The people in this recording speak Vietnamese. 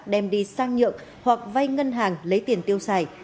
đem đi sang nhượng hoặc vay ngân hàng lấy tiền tiêu xài